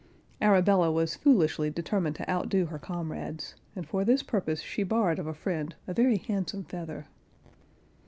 Arabella was foolishly deter[Pg 48]mined to outdo her comrades, and for this purpose she borrowed of a friend a very handsome feather.